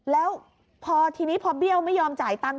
แล้วพอทีนี้พอเบี้ยวไม่ยอมจ่ายตัง